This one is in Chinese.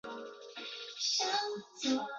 多变量正态分布亦称为多变量高斯分布。